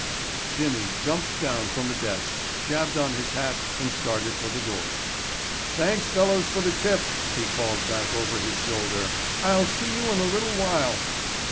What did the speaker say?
Jimmy jumped down from the desk, jabbed on his hat and started for the door. "Thanks, fellows, for the tip," he called back over his shoulder. "I'll see you in a little while."